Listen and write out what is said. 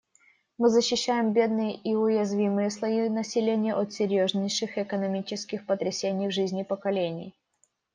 Мы защищаем бедные и уязвимые слои населения от серьезнейших экономических потрясений в жизни поколений.